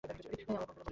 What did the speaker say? আমারও ভয় করছে, মলি।